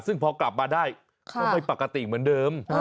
ซึ่งพอกลับมาได้ก็ไม่ปกติเหมือนเดิม